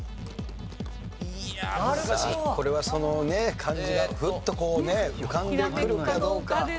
これはその漢字がふっとこうね浮かんでくるかどうか。